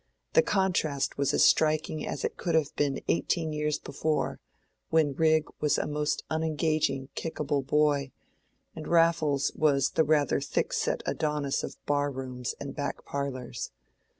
The contrast was as striking as it could have been eighteen years before, when Rigg was a most unengaging kickable boy, and Raffles was the rather thick set Adonis of bar rooms and back parlors.